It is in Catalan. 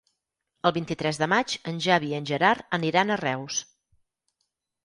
El vint-i-tres de maig en Xavi i en Gerard aniran a Reus.